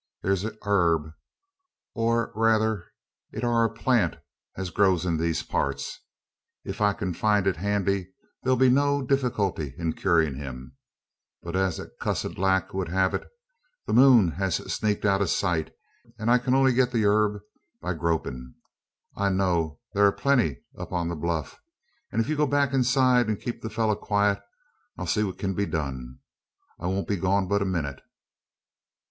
Thur's a yarb, or rayther it air a plant, as grows in these parts. Ef I kin find it handy, there'll be no defeequilty in curin' o' him. But as the cussed lack wud hev it, the moon hez sneaked out o' sight; an I kin only get the yarb by gropin'. I know there air plenty o' it up on the bluff; an ef you'll go back inside, an keep the fellur quiet, I'll see what kin be done. I won't be gone but a minute."